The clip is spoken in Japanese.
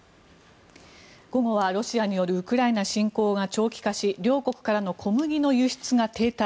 午後はロシアによるウクライナ侵攻が長期化し両国から小麦の輸出が停滞。